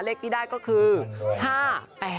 เลขที่ได้ก็คือ๕๘๐นะคะ